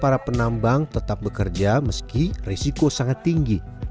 para penambang tetap bekerja meski risiko sangat tinggi